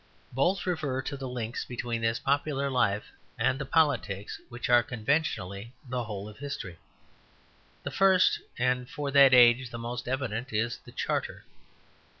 Both refer to the links between this popular life and the politics which are conventially the whole of history. The first, and for that age the most evident, is the Charter.